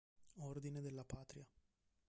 Ordine della patria